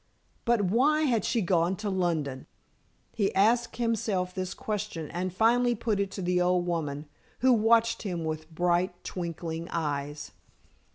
But why had she gone to London? He asked himself this question and finally put it to the old woman, who watched him with bright, twinkling eyes.